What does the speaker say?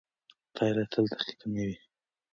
پایله تل دقیقه نه وي.